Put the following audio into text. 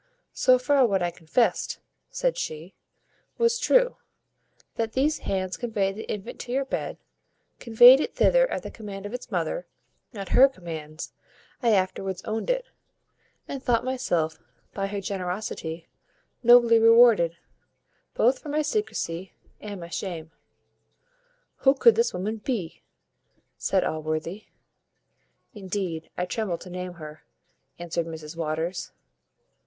"So far what I confest," said she, "was true, that these hands conveyed the infant to your bed; conveyed it thither at the command of its mother; at her commands I afterwards owned it, and thought myself, by her generosity, nobly rewarded, both for my secrecy and my shame." "Who could this woman be?" said Allworthy. "Indeed, I tremble to name her," answered Mrs Waters.